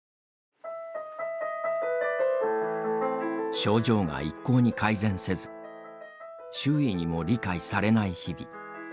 症状が一向に改善せず周囲にも理解されない日々。